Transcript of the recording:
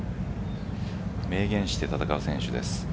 明言して戦う選手です。